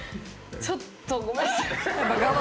ちょっとごめんなさい。